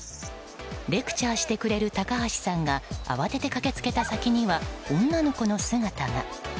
レクチャーしてくれる高橋さんが慌てて駆け付けた先には女の子の姿が。